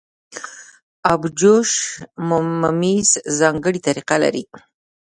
ابجوش ممیز ځانګړې طریقه لري.